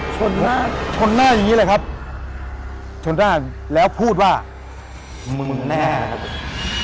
ชนหน้าอยู่อย่างนี้แหละครับชนหน้าแล้วพูดว่ามึงแน่ครับ